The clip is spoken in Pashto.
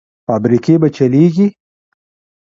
فابریکې به چلېږي؟